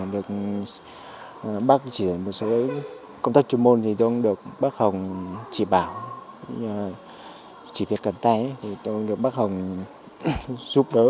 được bác chỉ ở một số công tác chuyên môn thì tôi cũng được bác hồng chỉ bảo chỉ việc cần tay thì tôi được bác hồng giúp đỡ